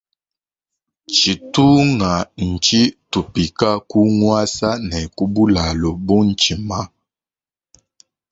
Tshitunga ntshi tupika ku ngwasa ne ku bulalu bu ntshima.